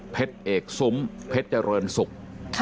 เอกซุ้มเพชรเจริญศุกร์